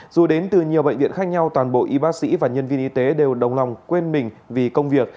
dù đến từ nhiều bệnh viện khác nhau toàn bộ y bác sĩ và nhân viên y tế đều đồng lòng quên mình vì công việc